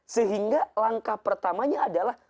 sehingga langkah pertamanya adalah